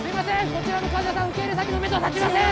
こちらの患者さん受け入れ先のメド立ちません